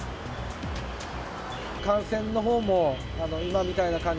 感染のほうも今みたいな感じ